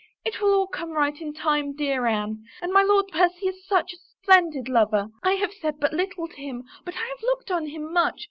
It will all come right in time, dear Anne. And my Lord Percy is such a splendid lover. I have said but little to him but I have looked on him much.